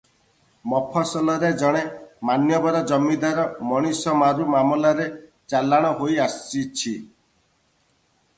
ମଫସଲରେ ଜଣେ ମାନ୍ୟବର ଜମିଦାର ମଣିଷମାରୁ ମାମଲାରେ ଚଲାଣ ହୋଇ ଆସଛି ।